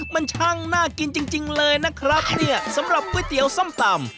มันช่างน่ากินจริงเลยนะครับเนี่ยสำหรับก๋วยเตี๋ยวส้มตำ